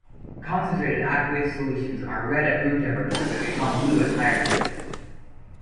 Concentrated aqueous solutions are red at room temperature but become blue at higher temperatures.